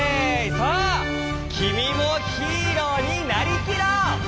さあきみもヒーローになりきろう！